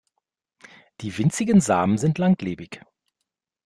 Die winzigen Samen sind langlebig.